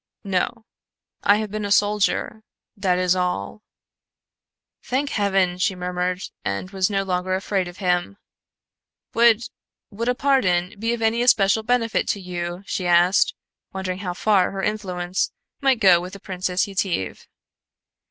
"No. I have been a soldier that is all." "Thank heaven!" she murmured, and was no longer afraid of him. "Would would a pardon be of any especial benefit to you?" she asked, wondering how far her influence might go with the Princess Yetive.